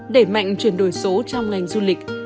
để mạnh chuyển đổi số trong ngành du lịch